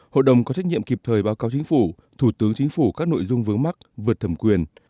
hội đồng có trách nhiệm kịp thời báo cáo chính phủ thủ tướng chính phủ các nội dung vướng mắt vượt thẩm quyền